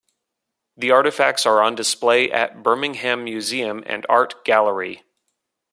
The artifacts are on display at Birmingham Museum and Art Gallery.